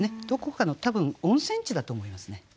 どこかの多分温泉地だと思いますね。